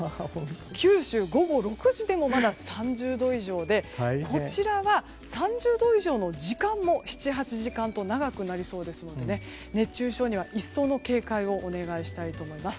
九州、午後６時でもまだ３０度以上でこちらが３０度以上の時間も７８時間と長くなりそうですので熱中症には一層の警戒をお願いしたいと思います。